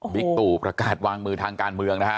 บิตุประกาศวางมือทางการเมือง